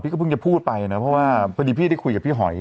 ก็เพิ่งจะพูดไปนะเพราะว่าพอดีพี่ได้คุยกับพี่หอย